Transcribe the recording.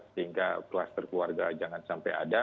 sehingga kluster keluarga jangan sampai ada